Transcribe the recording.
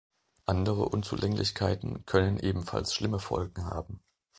Andere Unzulänglichkeiten können ebenfalls schlimme Folgen haben.